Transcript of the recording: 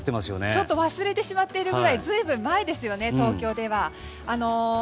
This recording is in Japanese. ちょっと忘れてしまっているぐらい随分前ですよね、東京では。